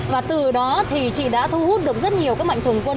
và từ đó thì chị đã thu hút được rất nhiều các mạnh thường quân